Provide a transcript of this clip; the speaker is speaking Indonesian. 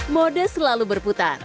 mode selalu berputar